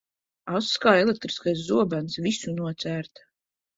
Ass kā elektriskais zobens, visu nocērt.